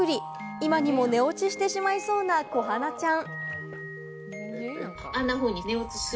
今にも寝落ちしてしまいそうな、こはなちゃん。